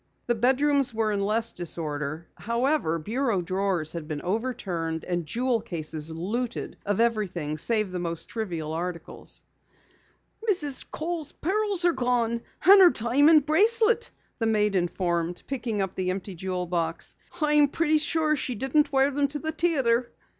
The bedrooms were in less disorder. However, bureau drawers had been overturned, and jewel cases looted of everything save the most trivial articles. "Mrs. Kohl's pearls are gone, and her diamond bracelet," the maid informed, picking up the empty jewel box. "I am pretty sure she didn't wear them to the theatre."